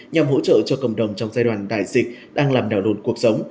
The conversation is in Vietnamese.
nhằm hỗ trợ cho cộng đồng trong giai đoàn đại dịch đang làm đảo đồn cuộc sống